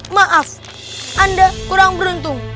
maaf anda kurang beruntung